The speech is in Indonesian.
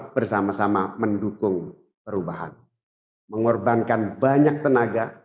bersama sama mendukung perubahan mengorbankan banyak tenaga